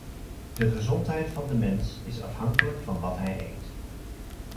De gezondheid van de mens is afhankelijk van wat hij eet.